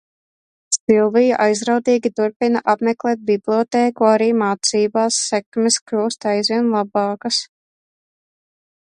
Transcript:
Silvija aizrautīgi turpina apmeklēt bibliotēku arī mācībās sekmes kļūst aizvien labākas.